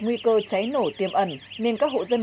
nguy cơ cháy nổ tiêm ẩn nên các hộ dân